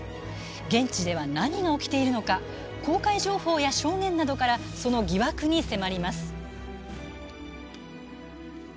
現地では何が起きているのか公開情報や証言などからその疑惑に迫ります。